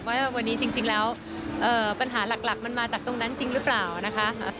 ว่าวันนี้จริงแล้วปัญหาหลักมันมาจากตรงนั้นจริงหรือเปล่านะคะ